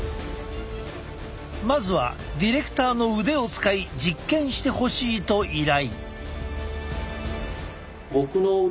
まずはディレクターの腕を使い実験してほしいと依頼。